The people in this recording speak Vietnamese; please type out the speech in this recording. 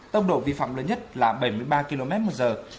tốc độ vi phạm lớn nhất là bảy mươi ba km một giờ